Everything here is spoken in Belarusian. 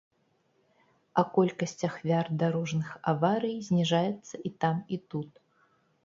А колькасць ахвяр дарожных аварый зніжаецца і там, і тут.